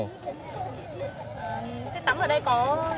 cái tắm ở đây có